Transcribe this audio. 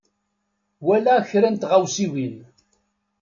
Walaɣ kra n tɣawsiwin.